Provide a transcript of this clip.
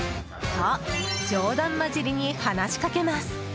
と、冗談交じりに話しかけます。